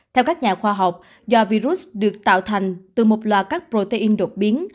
theo các nhà khoa học do virus được tạo thành từ một loạt các protein đột biến